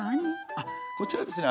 あっこちらはですね